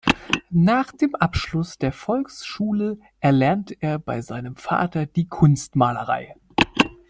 Nach dem Abschluss der Volksschule erlernte er bei seinem Vater die Kunstmalerei.